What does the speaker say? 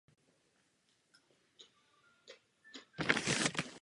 Album bylo oceněno Andělem v kategorii alternativní hudba.